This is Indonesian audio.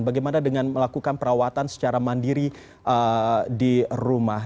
bagaimana dengan melakukan perawatan secara mandiri di rumah